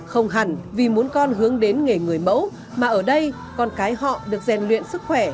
không hẳn vì muốn con hướng đến nghề người mẫu mà ở đây con cái họ được rèn luyện sức khỏe